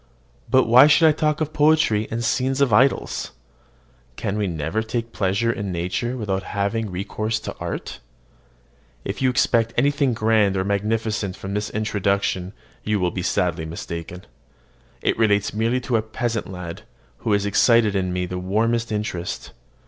But why should I talk of poetry and scenes and idyls? Can we never take pleasure in nature without having recourse to art? If you expect anything grand or magnificent from this introduction, you will be sadly mistaken. It relates merely to a peasant lad, who has excited in me the warmest interest.